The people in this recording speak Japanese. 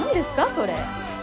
それ。